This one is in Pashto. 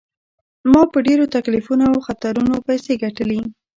ما په ډیرو تکلیفونو او خطرونو پیسې ګټلي.